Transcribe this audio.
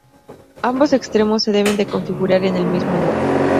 Ambos extremos se deben de configurar en el mismo modo.